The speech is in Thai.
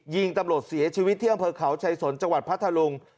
ยิงตำรวจเสียชีวิตที่อำเภอเขาชัยสนจังหวัดพัทธลุง